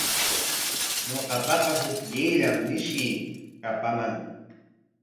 Ñuqapaqa hukllayllam mishii kapaman.